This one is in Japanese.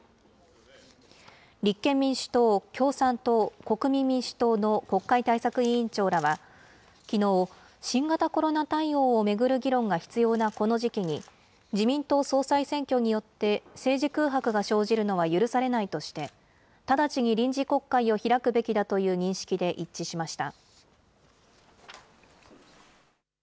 立憲民主党、共産党、国民民主党の国会対策委員長らはきのう、新型コロナ対応を巡る議論が必要なこの時期に、自民党総裁選挙によって政治空白が生じるのは許されないとして、直ちに臨時国会を開くべきだという認識で一致しました。